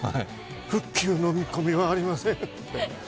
復旧の見込みはありません。